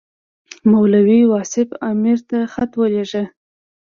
مولوي واصف امیر ته خط ولېږه.